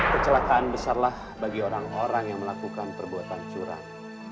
kecelakaan besarlah bagi orang orang yang melakukan perbuatan curang